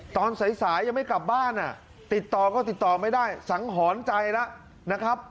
ตอนสายยังไม่กลับบ้านติดต่อก็ติดต่อไม่ได้สังหรณ์ใจแล้วนะครับ